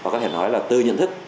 có thể nói là tư nhận thức